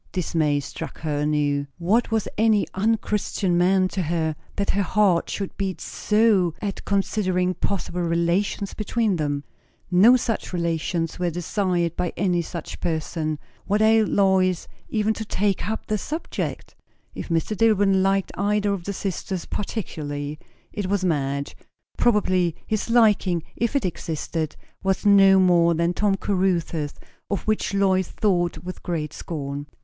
Dismay struck her anew. What was any un Christian man to her, that her heart should beat so at considering possible relations between them? No such relations were desired by any such person; what ailed Lois even to take up the subject? If Mr. Dillwyn liked either of the sisters particularly, it was Madge. Probably his liking, if it existed, was no more than Tom Caruthers', of which Lois thought with great scorn.